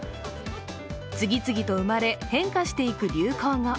次々と生まれ、変化していく流行語。